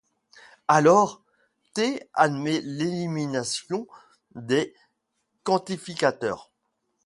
Alors, T admet l'élimination des quantificateurs.